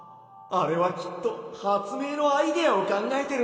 あれはきっとはつめいのアイデアをかんがえてるんだな。